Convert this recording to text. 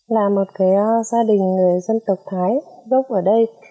là một gia đình người dân tộc thái gốc ở đây